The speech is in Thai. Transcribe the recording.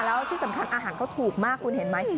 แล้วที่สำคัญอาหารเขาถูกมากคุณเห็นไหม